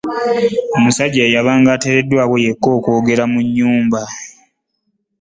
omusajja yeyabanga ateddwa okwogeera yekka mu nnyumba